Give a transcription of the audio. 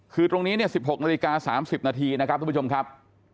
คือตรงนี้เนี่ย๑๖นาฬิกา๓๐นาทีนะครับทุกผู้ชมครับ